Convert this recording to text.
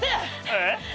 えっ？